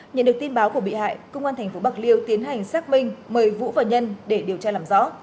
nhận được tin báo của bị hại công an tp bạc liêu tiến hành xác minh mời vũ và nhân để điều tra làm rõ